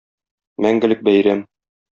Мәңгелек бәйрәм...